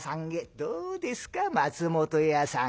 「どうですか松本屋さん。